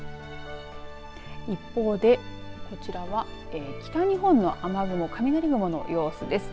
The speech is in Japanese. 一方でこちらは北日本の雨雲、雷雲の様子です。